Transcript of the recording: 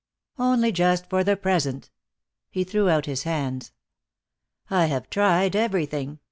"Only just for the present." He threw out his hands. "I have tried everything.